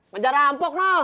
menjaga rampok noh